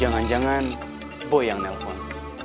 jangan jangan boy yang nelfon